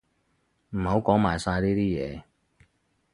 唔好講埋晒呢啲嘢